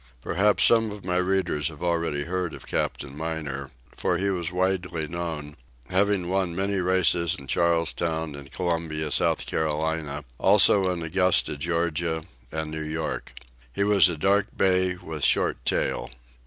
Perhaps some of my readers have already heard of Capt. Miner, for he was widely known, having won many races in Charlestown and Columbia, S.C., also in Augusta, Ga., and New York. He was a dark bay, with short tail.